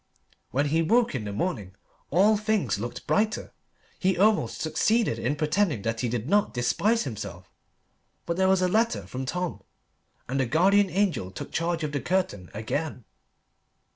When he woke in the morning all things looked brighter. He almost succeeded in pretending that he did not despise himself. But there was a letter from Tom, and the guardian angel took charge of the curtain again.